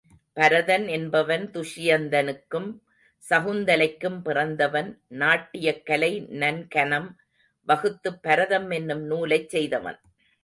பரதன் என்பவன் துஷியந்தனுக்கும் சகுந்தலைக்கும் பிறந்தவன் நாட்டியக்கலை நன்கனம் வகுத்துப் பரதம் என்னும் நூலைச் செய்தவன்.